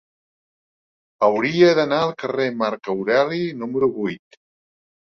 Hauria d'anar al carrer de Marc Aureli número vuit.